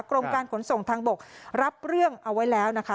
กรมการขนส่งทางบกรับเรื่องเอาไว้แล้วนะคะ